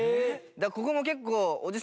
ここも結構。